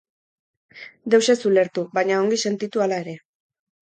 Deus ez ulertu, baina ongi sentitu hala ere.